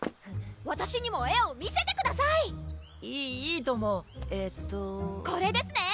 わたしにも絵を見せてくださいいいいともえっとこれですね？